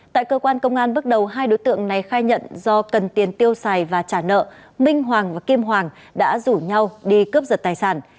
tại cơ quan công an bước đầu hai đối tượng này khai nhận do cần tiền tiêu xài và trả nợ minh hoàng và kim hoàng đã rủ nhau đi cướp giật tài sản